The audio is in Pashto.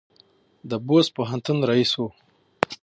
د بُست پوهنتون رییس و.